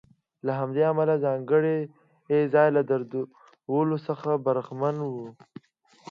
له همدې امله د ځانګړي ځای له درلودلو څخه برخمن و.